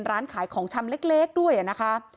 ร้านขายของชำเล็กด้วยนะคะ